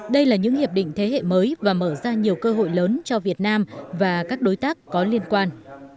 đây là những hiệp định thế hệ mới và mở ra nhiều cơ hội lớn cho việt nam và các đối tác có liên quan